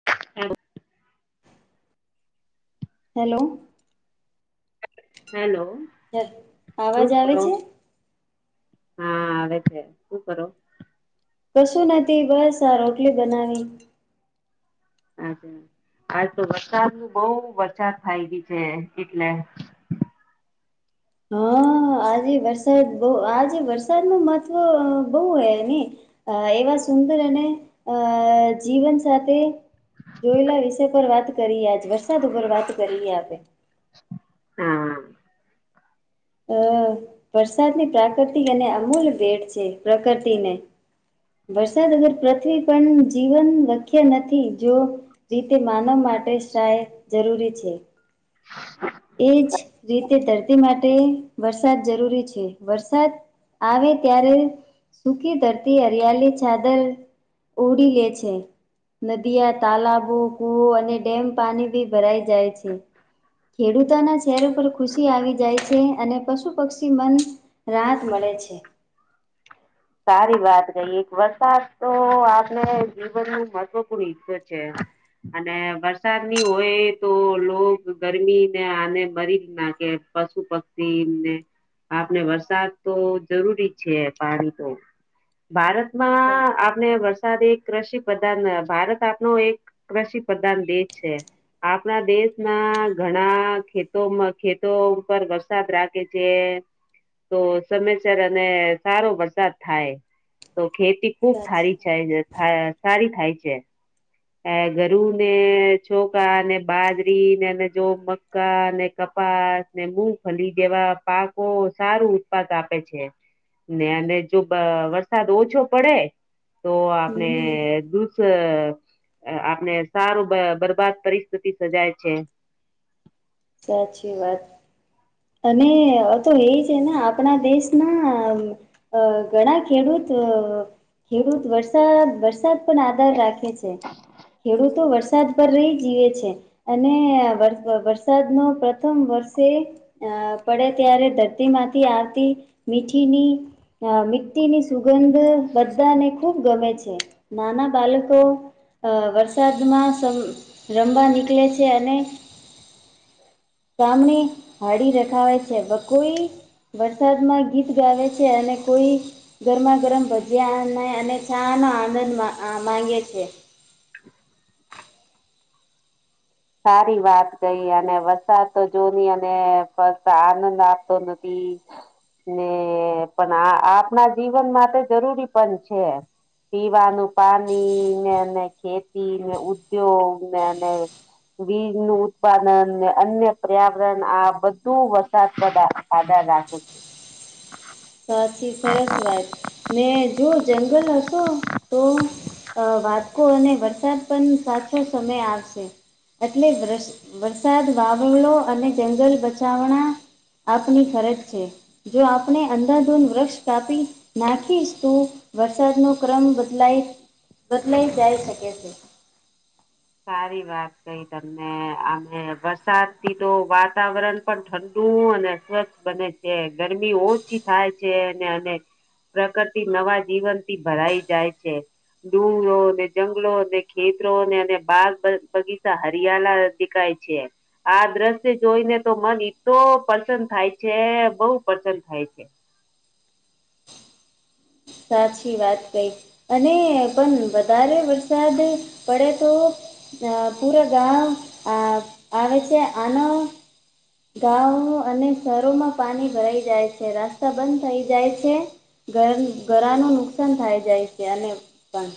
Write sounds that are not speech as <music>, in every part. હમ <inaudible> hello. Hello. આવાજ શું આવે કરો છે? હા આવે છે. શું કરો? કશું નથી બસ આ રોટલી બનાવી. અચ આજ તો વરસાદનું બહ વરસાદ થાય એવી છે એટલે. હા આજે વરસાદ બઉ આજે વરસાદ નું મહત્વ બહુ હ એહ ને. એવા સુંદર અને જીવન સાથે જોયેલા વિષય પર વાત કરીએ આજ વરસાદ ઉપર વાત કરીએ આપે. હા અ વરસાદની પ્રાકૃતિક અને અમૂલ ભેટ છે પ્રકૃતિને. વરસાદ વગર પૃથ્વી પરનું જીવન શક્ય નથી જો રીતે માનવ માટે શાય જરૂરી છે. <inaudible> એજ રીતે ધરતી માટે વરસાદ જરૂરી છે. વરસાદ આવે ત્યારે સુકી ધરતી હરિયાળી ચાદર ઓઢી લે છે. નદીયા તાલાબો કુવો અને ડેમ પાણી બી ભરાઈ જાય છે. ખેડૂતોના ચહેરો ઉપર ખુશી આવી જાય છે. અને પશુ પક્ષી પણ રાહત મળે છે. સારી વાત કહીએ એક વરસાદ તો આપણે જીવનનું મહત્વપૂર્ણ હિસ્સો છે. અને વરસાદની હોય તો લોક ગરમી ને આને મરી જ નાખે. પશુ પક્ષીને આપણે વરસાદ તો જરૂરી છે. પાણી ભારતમાં અચ્ા <unintelligible> આપણે વરસાદ એક કૃષિ પ્રધાન ભારત આપનો એક કૃષિ પ્રધાન દેશ છે. આપણા દેશના ઘણા ખેતોમા ખેતો ઉપર વરસાદ રાખે છે. તો સમયસર અને સારો વરસાદ વરસાદ થાય તો ખેતી ખુબ સાચી સારી થાય સારી થાય છે. એ ગરુ ને ચોખા ને બાજરીને એ જો મક્કા ને કપાસ ને મુગફલી જેવા પાકો સારું ઉત્પાદ આપે છે. ને એને જો <inaudible> વરસાદ ઓછો પડે તો આપને હમ દુ <inaudible> આપને સારું બરબાદ પરિસ્થિતિ સજૉય છે. સાચી વાત અને તો એ છે ને આપણા દેશના અ ઘણા ખેડૂત અ ખેડૂત વરસાદ, વરસાદ આધાર રાખે છે. ખેડૂતો વરસાદ પર રહી જીયે છે, અને વરસ વરસાદ નો પ્રથમ વર્ષે અ પડે ત્યારે ધરતી માંથી, આવતી મીઠીની અ મીટ્ટીની સુગંધ બધાને ખૂબ ગમે છે, નાના બાલકો અ વરસાદમાં સમ રમવા નીકલે છે અને સાામને હાડી રખાવે છે બ કોઈ વરસાદમાં ગીત ગાવે છે અને કોઈ ગરમા ગરમ ભજીયા અને-અને ચા ન આનંદ મા-અ માંગે છે. <inaudible> સારી વાત કઈ અને વરસાતો જોની અને પસ-આનંદ આપતો નથી. ને પન આ આપણા જીવન માટે જરૂરી પન છે. પીવાનું પાણી ને અને ખેતી ને ઉદ્યોગ ને અને વીજ નું ઉત્પાદન ને અન્ય પર્યાવરણ આ બધું વરસાદ પર આધાર રાખે છે. <inaudible> સાચી સરસ વાત ને જો જંગલ હસો તો એ વાત કો અને વરસાદ પન સાચો સમય આવશે. એટલે રસ વરસાદ વાવલ નો અને જંગલ બચાવણા આપની ફરજ છે. જો આપણે અંધાધૂન વૃક્ષ કાપી નાખીશ તું વરસાદ નો ક્રમ બદલાય તો નઈ જાય શકે છે. સારી વાત ક ને તમને આને વરસાદ થી તો વાતાવરણ પન ઠંડુ અને સ્વચ્છ બને કે ગરમી ઓછી થાય છે અને-અને પ્રકરતિ નવા જીવનથી ભરાઈ જાય છે. ડુંગરો ને જંગલો ને ખેત્રો ને અને બાગ બ-બગીચા હરિયાલા દેખાય છે. આ દ્રશ્ય જોઈને તો મન ઈત્તો પરસન થાય છે, બઉ પરસન થાય છે. સાછી વાત કઈ. અને પણ વધારે વરસાદ પડે તો અ પૂરા ગામ આ-આવે છે આનો ગામો અને શેહરોમાં પાણી ભરાઈ જાય છે, રાસ્તા બંધ થઈ જાય છે ઘર ગરાનું નુકસાન થાય જાય છે અને પણ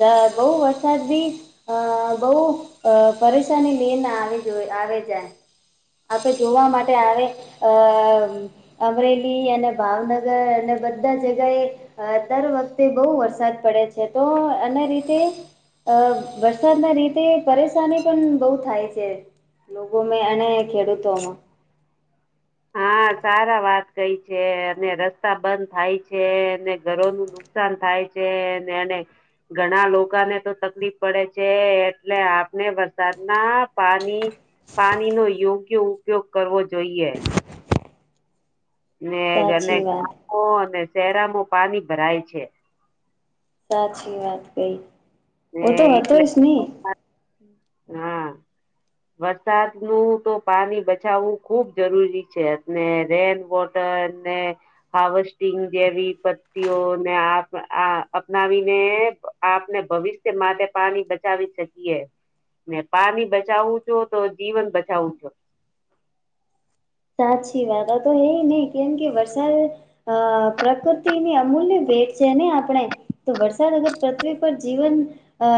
દા બઉ વરસાદ બી અ બહુ અ-પરેશાની લીય ન આવી જોય-આવે જાય આપણે જોવા માટે આવે અ-મ અમરેલી અને ભાવનગર અને બધા જગાએ અ દર વખતે બહુ વરસાદ પડે છે તો અને રીતે અ વરસાદના રીતે પરેસાની પન બહુ થાય છે. લોગોમે અને ખેડૂતોમાં હા સારા વાત કઈ છે અને રસ્તા બંધ થાય છે અને ઘરોનું નું નુકસાન થાય છેને એને ઘણા લોકાને તો તકલીપ પડે છે એટલે આપને વરસાદ ના પાની પાની નો યોગ્ય ઉપયોગ કરવો જોઈએ. ને અને સાચી વાત ગામો અને શેરોમાં પાણી ભરાય છે સાચી વાત કઈ. ને ઓ તો હતો એટલે જ ને? હા. વરસાદ નું તો પાની બચાવવું ખુબ જરૂરી છે અને રેન વોટ દને હાવસ્ટિંગ જેવી પત્તિઓને આપ-આ-અપનાવીને પ આપને ભવિષ્ય માટે પાની બચાવી શકીએ. ને પાની બચાવું છો તો જીવન બચાવું છો. સાચી વાત તો હ નહ કેમ કે વરસાદ અ પ્રકૃતિની અમૂલ્ય ભેટ છે ને આપણે તો વરસાદ અગર પૃથ્વી પર જીવન અ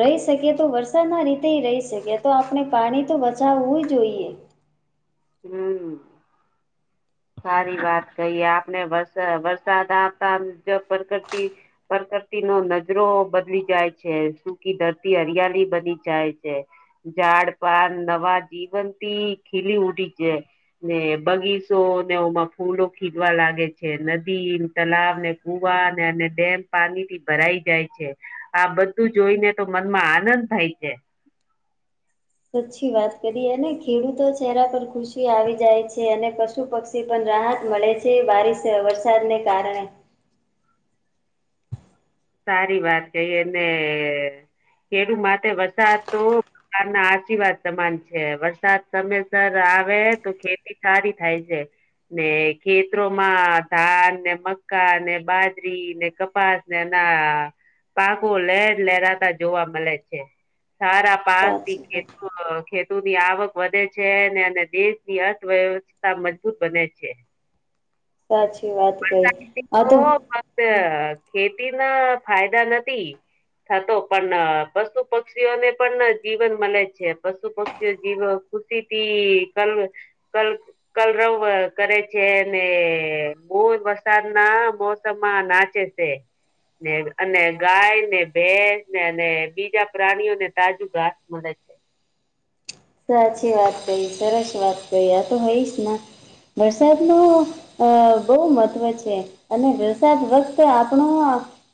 રહી શકીએ તો વરસાદના રીતે રહી શકીએ તો આપણે પાણી તો બચાવવું જોઈએ. હમ સારી વાત કહીએ આપણે વર વરસાદ આવતા મુજબ પ્રકૃતિ પરકરતીનો નજરો બદલી જાય છે, સુકી ધરતી હરિયાલી બની જાય છે. ઝાડ પાન નવા જીવંતી ખીલી ઉઠી છે ને, બગીચ તો તેઓમાં ફૂલો ખીલવા લાગે છે. નદીન, તલાવને, કુવા ને અને ડેમ પાણીથી ભરાઈ જાય છે, આ બધું જોઈને તો મનમાં આનંદ થાય છે. પછી વાત કરી અને ખેડૂતો ચહેરા પર ખુશી આવી જાય છે અને પશુ-પક્ષ થી પણ રાહત મળે છે, બારીશ વરસાદને કારણે. સારી વાત કહી, અને ખેડૂ માટે વરસાદ તો ગામના આશીર્વાદ સમાન છેવરસાદ સમયસર આવે તો ખેતી સારી થાય છે. ને ખેતરોમાં ધાનને, મક્કાને, બાજરીને, કપાસને ના પાકો લહેર લહેરાતા જોવા મલે છે, સારા પાક સાચી વાત <unintelligible> ખે તુ ની આવક વધે છે, ને અને દેશની અર્થવ્યવસ્થા મજબૂત બને છે. સાચી વાત. કઈ વરસાદ <unintelligible> આ તો ફક્ત હમ ખેતીના ફાયદા નથી થતો પણ પશુ-પક્ષીઓને પણ જીવન મલે છે, પશુ પક્ષીઓ જીવ ખુશીથી કલ-કલ કલરવ કરે છે ને મોર વરસાદના મોસમમાં નાચે છે. ને અને ગાયને, ભેસને અને બીજા પ્રાણીઓને તાજું ઘાસ મળે. સાચી વાત કરી, સરસ વાત કહી, આ તો હોઈશના વરસાદનો અ બઉ મહત્વ છે, અને વરસાદ વખત આપણો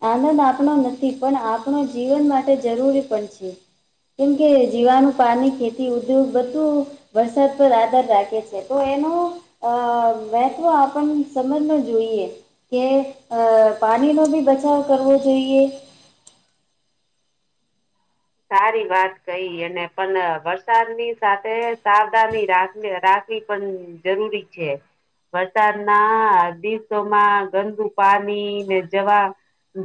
આનંદ આપણો નથી પણ આપણા જીવન માટે જરૂરી પણ છે. કેમ કે, જીવાનું પાની ખે થી ઊધું બધું વરસાદ પર આધર રાખે છે, તો એનો અ મહત્વ આ પણ સમજવુ જોઈએ. કે અ પાણીનો બી બચાવ કરવો જોઈએ. સારી વાત કઈ, અને પણ વરસાદની સાથે સાવધાની રાખ રાખવી પણ જરૂરી છે. વરસાદના દિવસોમાં ગંદુ પાણીને જવા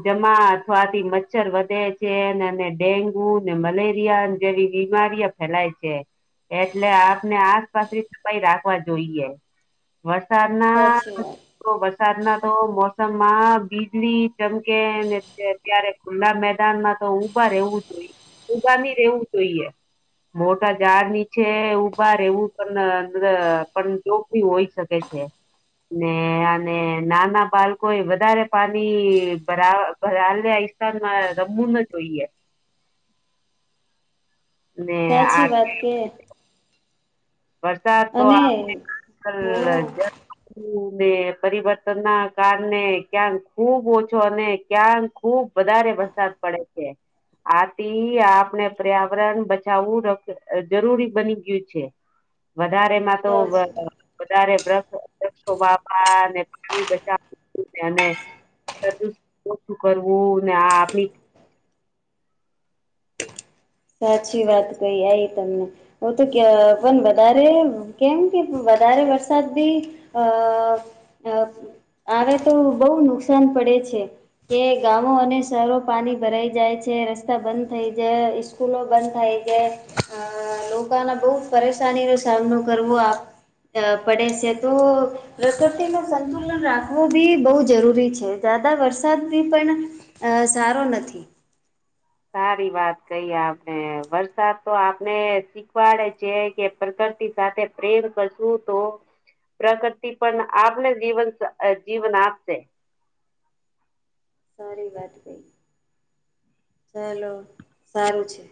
જમા અથવાથી મચ્છર વધે છે ને અને ડેન્ગ ગ્યુ ને, મલેરિયા ન જેવી બીમારીઓ ફેલાય છે. એટલે આપને આસપાસની સફાઈ રાખવા જોઈએ. વરસાદના સાચી વાત તો વરસાદના તો મોસમમાં વીજળી ચમકે ને ત્યારે ખુલ્લા મેદાનમાં તો ઊભા રેવું જોઈએ, ઊભા ની રેવું જોઈએ. મોટા ઝાડ નીચે ઊભા રેવું પણ ર પણ <unintelligible> હોય શકે છે. ને અને નાના બાલકો એ વધારે પાણી ભરા-ભરાલ્યા <unintelligible> તાન મ રમુ ન જોઈએ. ને આ સાચી વાત કે. વરસાદ તો અને આખોને <unintelligible> હા જલ <unintelligible> તું બે પરિવર્તનના કારણે ક્યાંક ખુબ ઓછો અને ક્યાંક ખુબ વધારે વરસાદ પડે છે. આથી આપણે પર્યાવરણ બચાવવું જરૂરી બની ગયું છે. વધારે માં તો વ સાચી વધારે વ્ર વ્રક્ષો વાવવા ને પાણી બચાવુ ને અને <unintelligible> ઓછું કરવું ને આપણી સાચી વાત કઈ આઈ તમને. હવ તો કે પણ વધારે કેમ કે, વધારે વરસાદ ભી અ બ આવે તો બઉ નુકસાન પડે છે. કે ગામો અને શહેરો પાણી ભરાઈ જાય છે, રસ્તા બંધ થઈ જાય, ઇસ સ્કૂલો બંધ થાય છે અ લોકોને બહુ પરેશાની નો સામનો કરવો આપ અ પડે છે તો પ્રકૃતિ ન સંતુલન રાખવું બી બહુ જરૂરી છે જ્યાદા વરસાદથી પણ સારો નથી સારી વાત કહી આપને વરસાદ તો આપને શીખવાડે છે કે પ્રકૃતિ સાથે પ્રેમ કરશું તો પ્રકતિ પણ આપને જીવન જીવન આપશે સારી બેઠ પઈ ચાલો સારું છે